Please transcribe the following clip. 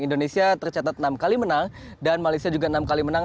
indonesia tercatat enam kali menang dan malaysia juga enam kali menang